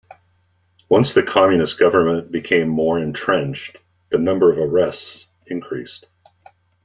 Once the Communist government became more entrenched, the number of arrests increased.